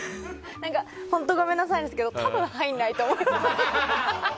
本当ごめんなさいですけど多分入んないと思います。